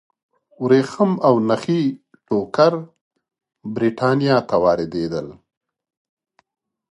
ورېښم او نخي ټوکر برېټانیا ته واردېدل.